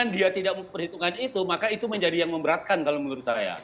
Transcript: nah kalau kita lihat perhitungan itu maka itu menjadi yang memberatkan kalau menurut saya